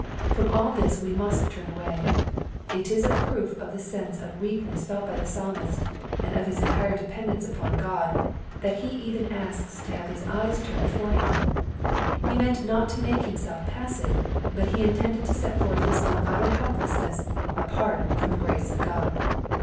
From all this we must turn away. It is a proof of the sense of weakness felt by the Psalmist and of his entire dependence upon God that he even asks to have his eyes turned for him ; he meant not to make himself passive, but he intended to set forth his own utter helplessness apart from the grace of God.